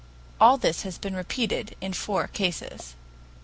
(All this has been repeated in four cases.)